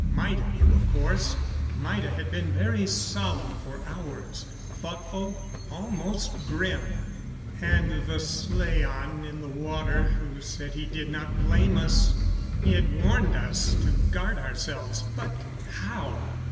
Maida knew, of course. Maida had been very solemn for hours; thoughtful, almost grim. And the slaan in the water who said he did not blame us. He had warned us to guard ourselves. But how?